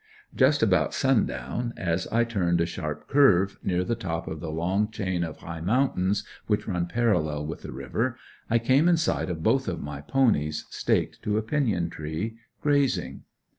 Just about sundown as I turned a sharp curve, near the top of the long chain of high mountains which run parallel with the river, I came in sight of both of my ponies staked to a pinyon tree, grazing.